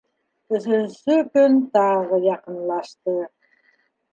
Өсөнсө көн тағы яҡынлашты.